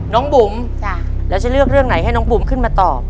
บุ๋มแล้วจะเลือกเรื่องไหนให้น้องบุ๋มขึ้นมาตอบ